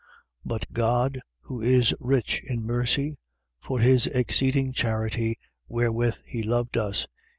But God (who is rich in mercy) for his exceeding charity wherewith he loved us 2:5.